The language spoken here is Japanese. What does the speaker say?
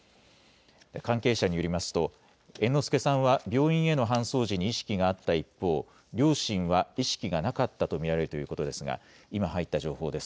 関係者によりますと猿之助さんは病院への搬送時に意識があった一方、両親は意識がなかったと見られるということですが今入った情報です。